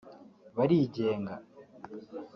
barigenga